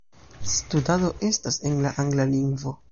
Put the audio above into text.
Studado estas en la angla lingvo.